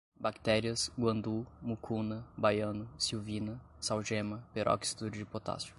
bactérias, guandu, mucuna, baiano, silvina, sal gema, peróxido de potássio